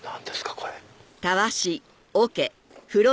これ。